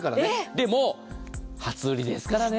でも初売りですからね。